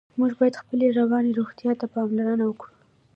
موږ باید خپلې رواني روغتیا ته پاملرنه وکړو.